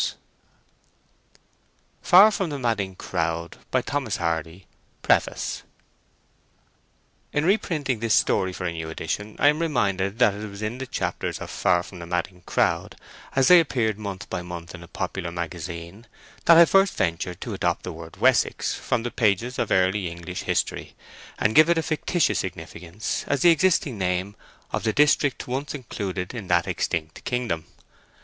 A Foggy Night and Morning—Conclusion Notes PREFACE In reprinting this story for a new edition I am reminded that it was in the chapters of "Far from the Madding Crowd," as they appeared month by month in a popular magazine, that I first ventured to adopt the word "Wessex" from the pages of early English history, and give it a fictitious significance as the existing name of the district once included in that extinct kingdom.